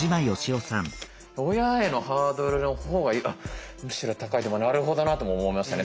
親へのハードルのほうがむしろ高いなるほどなとも思いましたね。